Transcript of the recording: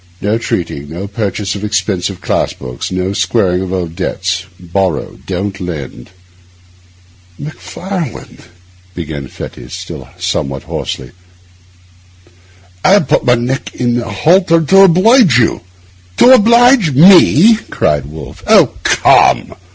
No treating, no purchase of expensive class books, no squaring of old debts; borrow, don't lend.' 'Macfarlane,' began Fettes, still somewhat hoarsely, 'I have put my neck in a halter to oblige you.' 'To oblige me?' cried Wolfe. 'Oh, come!